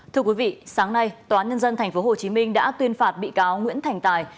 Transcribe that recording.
thưa quý vị sáng nay tòa nhân dân tp hcm đã tuyên phạt bị cáo nguyễn thành tài